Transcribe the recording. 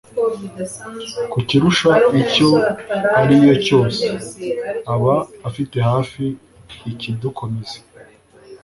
Ku kirushya icyo ari yo cyose, aba afite hafi ikidukomeza.